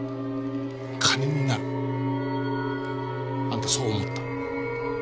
金になるあんたはそう思った。